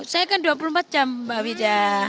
saya kan dua puluh empat jam mbak wija